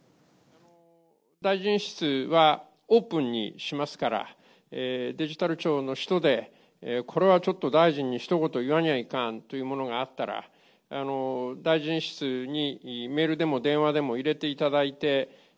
大臣室はオープンにしますから、デジタル庁の人で、これはちょっと大臣にひと言いわにゃいかんというものがあったら、大臣室にメールでも電話でも入れていただいて。